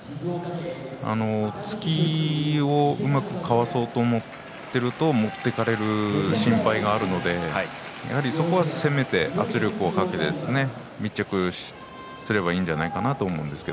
突きをうまくかわそうと思っていると持っていかれる心配がありますのでやはりそこは攻めて圧力をかけて密着すればいいんじゃないかと思います。